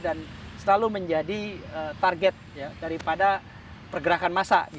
dan selalu menjadi target daripada pergerakan masa